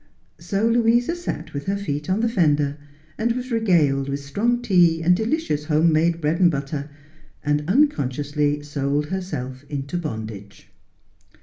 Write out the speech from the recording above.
So Louisa sat with her feet on the fender, and was regaled with strong tea and delicious home made bread and butter, and unconsciously sold herself into bondage.